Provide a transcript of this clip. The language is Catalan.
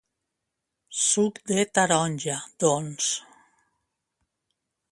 Suc de taronja, doncs.